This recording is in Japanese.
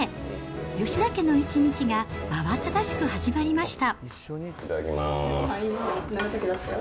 吉田家の一日が慌ただしく始まりました。